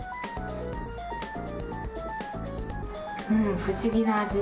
うん、不思議な味。